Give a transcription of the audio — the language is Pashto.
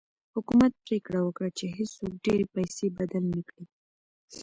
حکومت پرېکړه وکړه چې هېڅوک ډېرې پیسې بدل نه کړي.